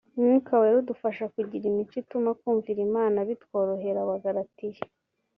umwuka wera udufasha kugira imico ituma kumvira imana bitworohera abagalatiya